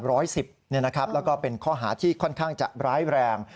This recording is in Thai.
แล้วก็เป็นข้อหาที่ค่อนข้างจะร้ายแรง